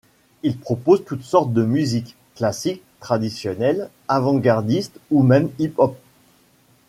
Il propose toute sorte de musique, classique, traditionnelle, avant-gardiste ou même Hip-hop.